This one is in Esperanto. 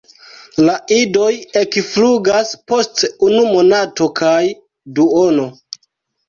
La idoj ekflugas post unu monato kaj duono.